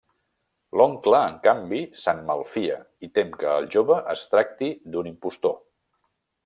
L'oncle, en canvi, se'n malfia i tem que el jove es tracti d'un impostor.